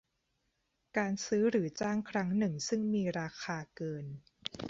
การซื้อหรือจ้างครั้งหนึ่งซึ่งมีราคาเกิน